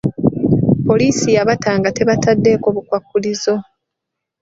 Poliisi yabata nga tebataddeeko bukwakkulizo.